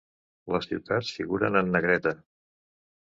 Les ciutats figuren en negreta.